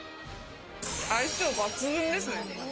相性抜群ですね。